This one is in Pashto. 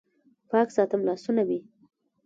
پاک ساتم لاسونه مې